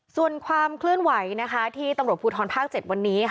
ส่วนความเคลื่อนไหวที่ตำรวจภูทรภาค๗วันนี้